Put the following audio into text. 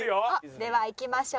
ではいきましょう。